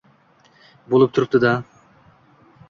bo‘lib turibdi-da.